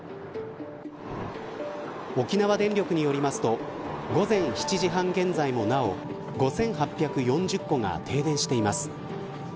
沖縄電力によりますと午前７時半現在もなお５８４０戸が停電しています。